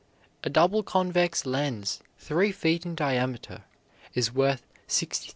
A double convex lens three feet in diameter is worth $60,000.